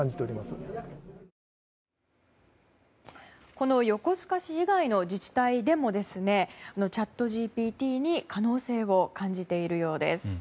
この横須賀市以外の自治体でもチャットＧＰＴに可能性を感じているようです。